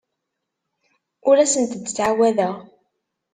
Ur asent-d-ttɛawadeɣ.